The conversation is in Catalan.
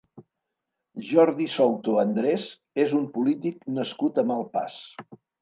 Jordi Souto Andrés és un polític nascut a Malpàs.